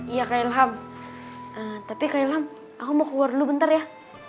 iya kak ilham tapi kak ilham aku mau keluar dulu bentar ya